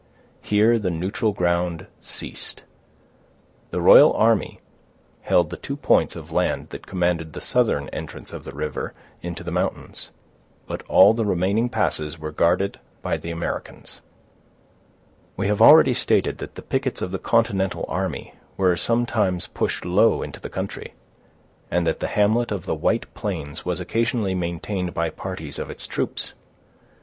Here the neutral ground ceased. The royal army held the two points of land that commanded the southern entrance of the river into the mountains; but all the remaining passes were guarded by the Americans. We have already stated that the pickets of the continental army were sometimes pushed low into the country, and that the hamlet of the White Plains was occasionally maintained by parties of its troops.